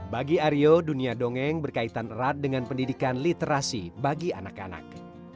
bagi aryo dunia dongeng berkaitan erat dengan pendidikan literasi bagi anak anak